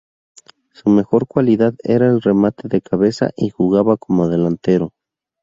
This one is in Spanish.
Su mejor cualidad era el remate de cabeza y jugaba como delantero.